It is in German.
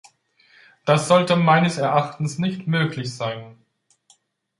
Das sollte meines Erachtens nicht möglich sein.